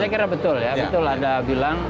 saya kira betul ya betul anda bilang